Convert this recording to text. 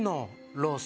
ロース！？